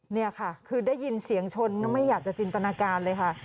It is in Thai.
นี่ค่ะคือได้ยินเสียงชนแล้วไม่อยากจะจินตนาการเลยค่ะ